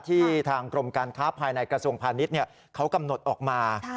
ที่ทางกรมการค้าภายในกระทรวงพาณิชย์เขากำหนดออกมา